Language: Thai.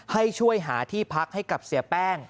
ให้ช่วยหาที่พักให้กับเสียแป้ง